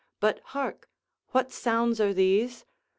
But hark! what sounds are these?